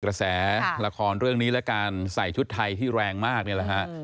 กระแสละครเรื่องนี้และการใส่ชุดไทยที่แรงมากนี่แหละฮะ